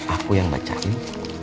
aku yang bacain